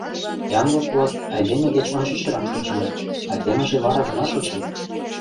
Янлык-влак айдеме деч ончычрак шочыныт, айдемыже вара гына шочын.